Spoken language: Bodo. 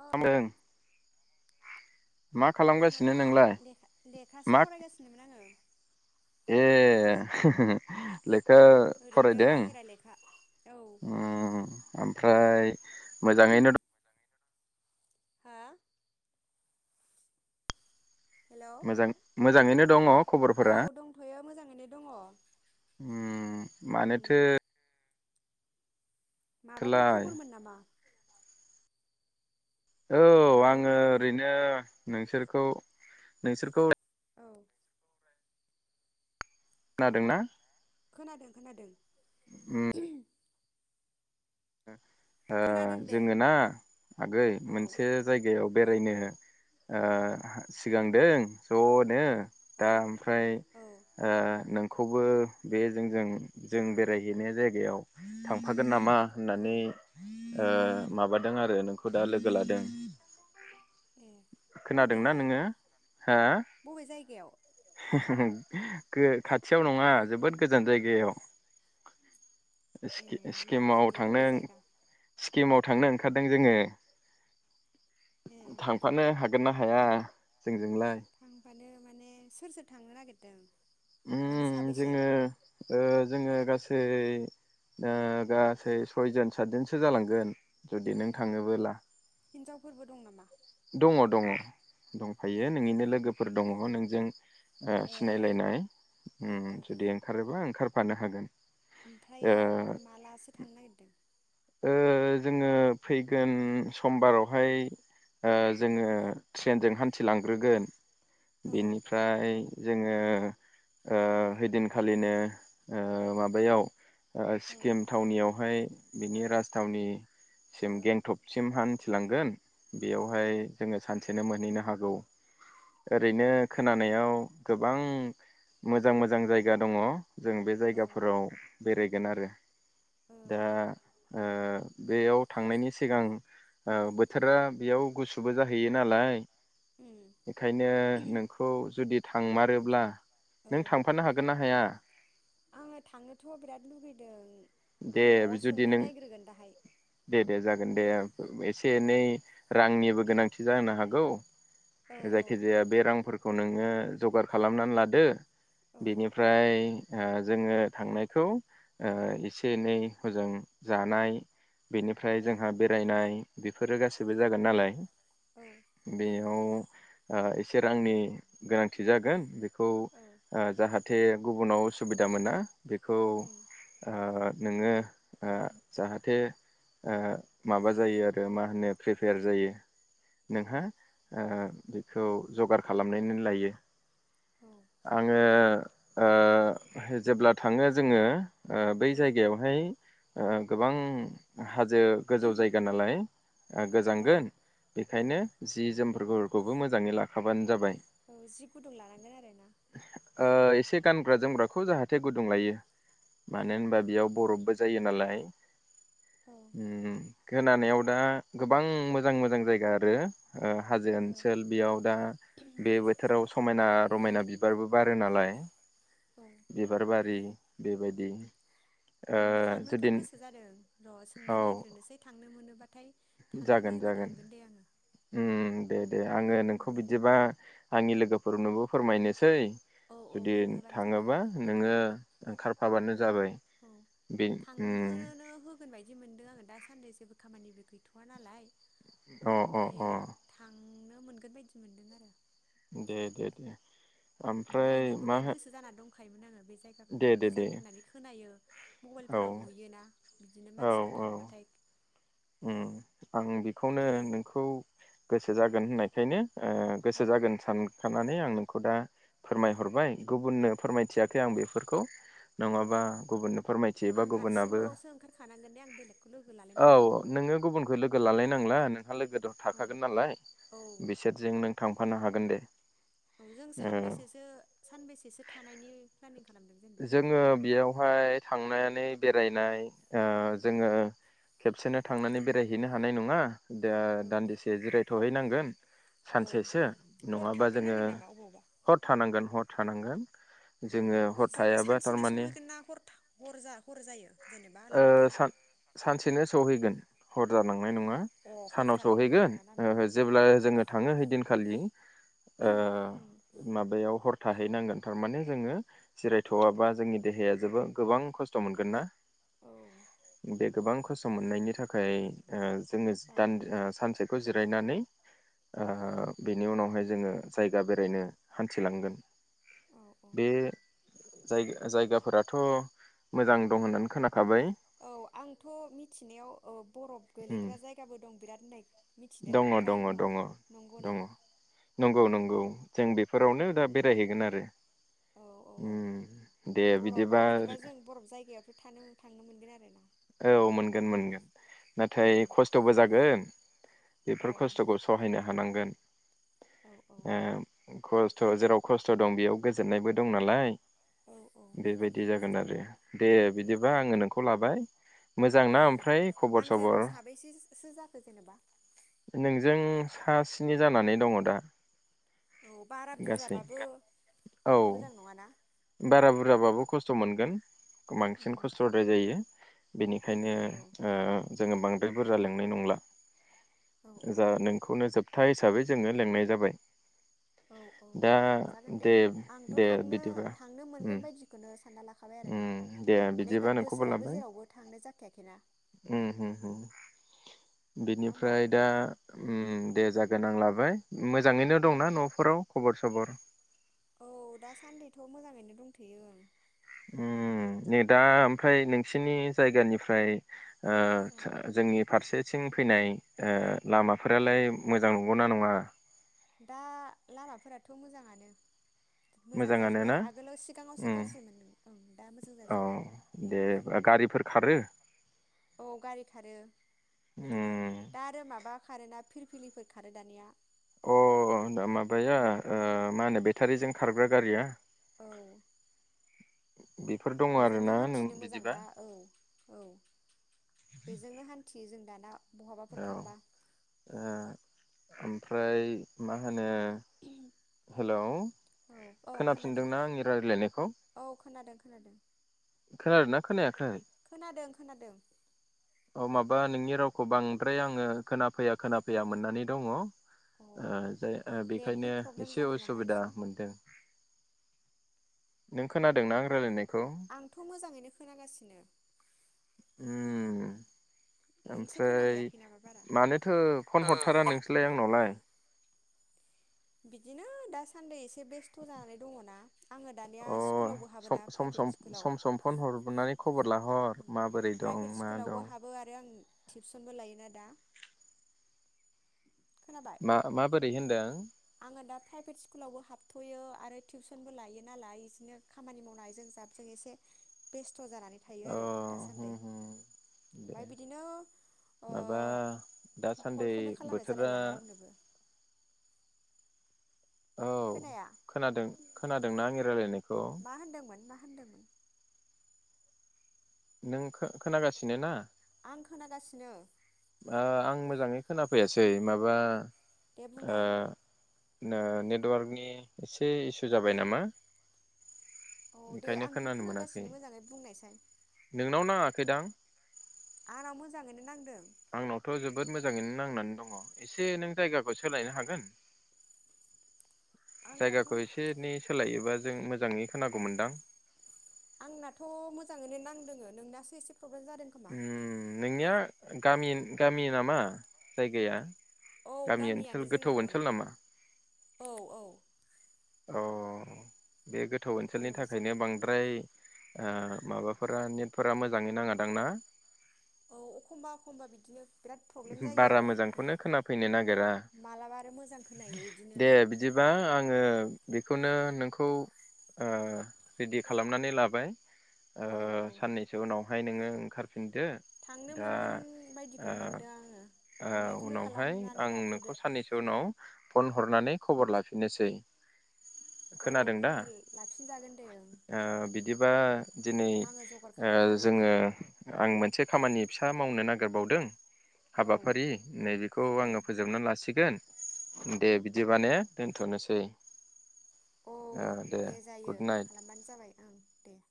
अ मा आङो खालामगासिनो दा नोंलाय लेखा लेखासो मा फरायगासिनोमोन आङो। ए ले ओ ओरैनो फरायदों बाहेरा लेखा औ उम ओमफ्राय मोजाङैनो द हा हेलौ मोजां मोजाङैनो दङ औ खबरफोरा दंथ'यो मोजाङैनो दङ उम उम मानोथो माबाफोर थोलाय खबरमोन नामा औ हेलौ आङो ओरैनो नोंसोरखौ नोंसोरखौ औ खोनादोंना? खोनादों खोनादों ओ ओ खोनादों दे जोङो ना आगै औ मोनसे जायगायाव औ बेरायनो ओ सिगांदों ज'नो औ दा ओमफ्राय औ ओ नों खौबो बे जोंजों जों बेरायहैनाय जायगायाव थांफागोन नामा होननानै औ ओ माबादों आरो नोंखौ दा लोगो लादों ए खोनादोंना बबेहाय नोङो हा बबे जायगायाव [inaudible] गो खाथियाव नङा जोबोद गोजान जायगायाव। ए स्कि स्कि माउद माबायदि थांनो बबे जायगा सिक्किम आव थांनो ओंखारदों जोङो ए थांफानो हागोन ना हाया जों थांफानो माने सोर सोर थांनो नागिर दों उम जोङो ओ जोङो गासै [unintelligible] ओ गासै सयजोन सादजोनसो जालांगोन जुदि नों थाङोबोला हिनजावफोरबो दं नामा दङ दङ दं। फायो नोंनिनो ए लोगोफोर दङ नों जों ए सिनायलायनाय ओ उम्म ओ ओ जुदि ओंखारोबा ओंखारफानो हागोन ओमफ्रायो ओ मालासो थांनो नागिरदों ओ जोङो फैगोन समबारावहाय जोङो ट्रेनजों हान्थिलांग्रोगोन। औ बेनिफ्राय जोङो ओ हैदिनखालिनो माबायाव ओ औ ओ सिक्किम थावनियावहाय बिनि राजथावनि औ सिम गेंथबसिमहान मिथिलांगोन बेयावहाय जोङो सानसेनो मोन नैनो हागौ। ओरैनो खोनानायाव गोबां मोजां मोजां जायगा दङ। जों बे औ जायगाफोराव बेरायगोन आरो औ दा ओ बेयाव थांनायनि सिगां बोथोरा बेयाव गुसुबो जाहैयो नालाय। उम बेखायनो नोंखौ जुदि थांमारोब्ला औ नों थांफानो हागोन ना हाया? दों। दे जुदि नों दे दे जागोन दे एसे औ एनै रांनिबो गोनांथि जानो हागौ। औ औ जायखिजाया बे रांफोरख खौ नोङो जगार खालामनानै लादो। ओ बेनिफ्राय ओ जोङो थांनायखौ ओ एसे एनै हजों जानाय बेनिफ्राय औ जोंहा बेरायनाय फोरो गासैबो औ जागोन नालाय बेयाव एसे रांनि गोनांथि जागोन बे खौ ओ औ जाहाथे थे गुबुनाव असुबिदा मोना बेखौ ओ उम नोङो ओ जाहाथे ओ माबा जायो आरो मा होनो प्रिपेयार जायो औ नोंहा ओ बे खौ जगार खालामनानैनो लायो औ आङो ओ जेब्ला थाङो जोङो ओ बै जायगायावहाय ओ गोबां हा जो गोजौ जायगा नालाय ओ ओ गोजांगोन औ बेखायनो जि जोमफोरखौ बो मोजाङै लाखाबानो जाबाय औ जि गुदुं लानांगोन आरो ना खौ जाहाथे गुदुं लायो औ औ ग्रपबो जायो नालाय औ उम खोनानायाव दा गोबां मोजां मोजां जायगा आरो ओ हाजो औ ओनसोल बेयाव दा बे बोथोराव समायना रमायना बिबारबो बारो नालाय औ बिबार बारि बेबायदि ओ उम थांनोथ जुदि गोसो जादों र औ सोंनाय नायग्रोनोसै थांनो मोनोबा जागोन जागोन उम दे दे आङो नोंखौ बिदिबा आंनि लोगोफोरनोबो फोरमायनोसै औ औ जुदि खोन्थाबानो जाबाय थाङोबा ओं नोङो ओंखार हाबानो जाबाय औ बे उम बिदि मोनदों आङो दासान्दै जेबो खामानिबो गैथवा नालाय अ अ अ आमफ्रायो थांनो ओ मोनगोन बायदि मोनदों आरो दे दे दे ओमफ्राय मा हो खायोमोन‌ आरो बे जायगाखौहाय मोजां होननानै खोनायो औ मबाइलफोराव नुयोना बिदिनो मानसिफोर थांबाथाय ओं आं बेखौनो नोंखौ गोसो जागोन होननायखायनो। ओ औ गोसो जागोन सानखानानै आं। खौ दा फोरमायहरबाय गुबुननो फोरमायथियाखै आं बेफोरखौ। औ नङाबा गुबुननो फोरमायथियो बा आं गुबुनाबो हारसिंल'सो ओंखारखानांगोन दे आं बेलेगखौ लोगो लानो नांला। नोंङो गुबुनखौ लोगो लालायनांला नोंहा लोगो द औ थाखागोन नालाय औ बिसोरजों नों थांफानो हागोन दे। औ जों ओ सानबेसेसो सानबेसेसो थानायनि। [unintelligible] जोंङो बेयावहाय। थांनानै बेरायनाय ओ जोंङो खेबसेनो थांनानै बेरायहैनो हानाय नङा। दा औ दान्दिसे जिरायथ। सहैनांगोन। औ सानसेसो हर नंङाबा जोंङो थाग्रोनांगोन नामा अबावबा हर थानांगोन हर। थानांगोन। जोंङो हर। जोंङो थायाबा सानसेनो थारमाने सहैगोन ना हर हर हर जायो जेनेबा ओ लामाफ्राव। सान सानसेनो सहैगोन हर जा नाय नंङा अ हर सानाव थालायनाङा सहैगोन आरोना लामायाव ओ जेब्ला जोंङो थाङो हैदिनखालि ओ उम माबायाव हर थाहैनांगोन थारमाने जोंङो। औ जिरायथ'वाबा जोंनि देहाया जोबोद। गोबां खस्थ' मोनगोन ना। औ बे गोबां। खस्स' मोननायनि थाखाय ओ जोंङो [unintelligible] सानसे खौ रायनानै। ओ औ बेनि उनावहाय। जोंङो जायगा बेरायनो हान्थिलांगोन। औ औ बे। जाय जायगाफोराथ'। मोजां दं होननानै खोनाखाबाय औ आंथ' मिथिनायाव ओ बरफ। उम गोलैग्रा जायगाबो दं बिराद। [unintelligible] दङ' ओमफाय दङ' दङ' न-नंगौना दङ' नंगौ औ नंगौ जों बेफोरावनो दा। बेरायहैगोन आरो। औ औ औ उम दे बरफआव बिदिबा जों बरफ जायगायावथ' थानो थांनो मोनगोन आरो। बे। औ मोनगोन मोनगोन उम नाथाय खस्थ'बो जागोन अ औ बेफोर खस्थ'खौ सहायनो हानांगोन। औ ए औ ख। ओ- खस्थ' जेराव खस्थ' दं बेयाव गोजोननायबो दं नालाय। औ बेबायदि जागोन आरो। दे दे। बिदिबा आङो औ नोंखौ लाबाय। मोजां ना औ ओमफ्राय खबर आंजों सबर साबैसेसो जाखो जेनेबा नोंजों। सा स्नि जानानै दङ दा। औ बारा गासै बुरजाबाबो औ मोजां नङाना? बारा बुरजाबाबो खस्थ' मोनगोन। बांसिन उम खस्थ'द्राय जायो। बेनिखायनो औ ओ- जोङो बांद्राय बुरजा लेंनाय नंला। औ औ जा नोंखौनो जोब। सपथा हिसाबै जोङो लेंनाय जाबाय। औ औ दा थांजागोन दे आंथ' दे थांनो बिदिबा। थांनो मोनगोन ओ- बायदिखौनो सानना लाखाबाय आरोना ओम- दे माने बिदिबा एबार नोंखौनो बोसोरावबो लाबाय जेरावबो थांनाय जाखायाखैना ओम हो हो नङा होमबा बिनिफ्राय दा उम दे जागोन आं लाबाय। मोजाङैनो औ दंना न'फोराव खबर सबर? औ दासान्दिथ' मोजाङैनो दंथ'यो ओं। ओम नै दा ओमफ्राय नोंसिनि जायगानिफ्राय। औ ओ- जोंनि फारसे। सिं फैनाय ओ- औ लामाफोरालाय मोजां नंगौना नङा? दा लामाफोराथ' मोजाङानो। मोजां मोजाङानो जाजोब्बाय ना आरो आगोलाव सिगाङावसो उम गाज्रिमोन ओं दा मोजां औ जाजोब्बाय। दे गारिफोर खारो औ गारि खारो बिदिनो उम दा आरो माबा खार ना। फिरफिलिफोर खारो दानिया। अ दा माबाया उम ओ मा होनो बेटारिजों। खारग्रा गारिया। औ बेफोर दङ बेजोंनो आरोना नों हान्थिनो मोजां बिदिबा दा औ-औ बेजोंनो हान। जों दाना। बहाबाफोर औ थांबा। ओ ओमफ्राय मा होन। नो हेलौ औ औ खोनादों खोनाफिनदोंना आंनि रायलायनायखौ औ खोनादों खोनादों खोनादों ना खोनायाखै। खोनादों खोनादों। अ माबा नोंनि रावखौ बांद्राय आङो खोनाफैया-खोनाफैया मोननानै दङ। ओ अ जाय नेटनि बेखायनो प्रब्लेम एसे जादों नामा उसुबिदा एसे मोनदों। नों अ खोनादोंना आं रायलायनायखौ। आंथ' मोजाङैनो खोनागासिनो। उम। नोंसो ओमफ्राय खोनाहैयाखै नामा बारा मानोथो फन हरथारा नोंसोरलाय आंनावलाय। बिदिनो दासान्दि। बेस्थ' जानानै दङना आङो दानिया अ स्कुलावबो सम हाबोना सम प्राइभेट सम स्कुलाव। सम सम फन हरनानै खबर लाहर माबोरै दं प्राइभेट मा स्कुलावबो दं हाबो आरो आं। टिबसनबो लायोना दा। खोनाबाय मा माबोर। रै होनदों। आङो दा प्राइभेट स्कुलावबो हाबथ'यो आरो टिबसनबो लायो नालाय बिदिनो खामानि मावनायजों जाबजों एसे बेस्त। थ जानानै थायो अ आरो होम दासान्दि होम दे ओमफ्राय बिदिनो ओ माबा दासान्दि कलखौनो खालामनाय बोथोरा जालायलाङा रावनोबो। औ खोनाया खोनादों खोनादोंना आं। रायलायनाय। मा होनदोंमोन मा। होनदोंमोन नों खो खोनागासिनो ना। आं खोनागासिनो। ओ आं मोजाङै खोनाफैयासै माबा। दे बुंनाय। ओ नेटवार्कनि एसे इसु जाबाय नामा। औ दे ओंखायनो आंथ' खोनानो मोनाखै खोनागासिनो मोजाङै बुंनायसाय। नोंनाव नाङाखैदां। आंनाव मोजाङैनो नांदों। आंनावथ' जोबोद मोजाङैनो नांनानै दङ एसे नों जायगाखौ सोलायनो हागोन। आंनाथ' जायगाखौ एसेनि सोलायो बा। जों मोजाङै खोनांगौ मोनदां। आंनाथ' मोजाङैनो नांदोङो नोंनासो एसे प्रबलेम जादों खोमा। उम नोंनिया गामि गामि नामा जायगाया? औ गामि ओनसोल गामियानो गोथौ जोंना ओं ओनसोल नामा? औ औ। अ बे गोथौ ओनसोलनि गोथौआनोसै थाखायनो बांद्राय ओ माबाफोरा नेटफोरा मोजाङै नाङादां ना? औ अखमबा अखमबा बिदिनो। बिराद प्रब्लेम जायो बारा आरो मोजांखौनो ओमफ्राय खोनाफैनो नागिरा मालाबा आरो मोजां खोनायो बिदिनो दे बिदिबा आङो बेखौनो नोंखौ ओ रेडि खालामनानै लाबाय। ओ औ औ साननैसो उनाव फाय नोङो ओंखार थांनो मोनगोन ओ बायदिखौनो मोनदों आङो। ओ थांनायखौनो उनावहाय खालामनानै आं लाथ'दो नोंखौ साननैसो उनाव खौ फन हरनानै खबर लाफिननोसै। औ खोनादों दा खबर ल-लाफिन ओ बिदिबा दिनै आङो जगार ओ खालामखागोन दे जोङो आं मोनसे खामानि फिसा मावनो नागिरबावदों। औ हाबाफारि नैबेखौ औ आङो फोजोबना लासिगोन। दे औ बिदिबा ने दोन थ'नोसै। औ ओ दे जायो गुड नाइट। खालामबानो जाबाय ओं दे।